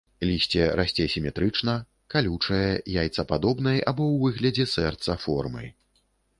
Лісце расце сіметрычна, калючае, яйцападобнай, або ў выглядзе сэрца, формы.